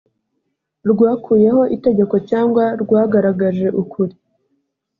rwakuyeho itegeko cyangwa rwagaragaje ukuri‽